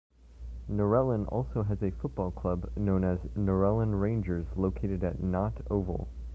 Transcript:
Narellan also has a football club known as Narellan Rangers located at Nott Oval.